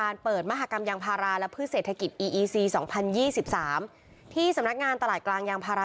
เลือกวันเลือกวันไม่ต้องบอกวันก็ได้ค่ะ